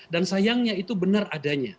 dan sayangnya itu benar adanya